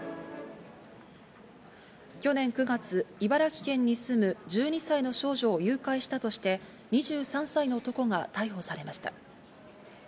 去年９月、茨城県に住む１２歳の少女を誘拐したとして２３歳の男が逮捕されました。